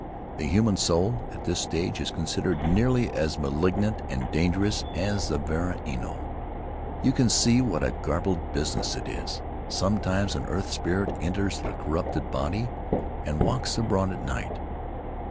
The human soul, at this stage, is considered nearly as malignant and dangerous as the varua ino — you can see what a garbled business it is. Sometimes an earth spirit enters the corrupted body and walks abroad at night.